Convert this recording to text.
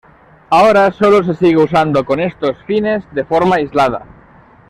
Ahora sólo se sigue usando con estos fines de forma aislada.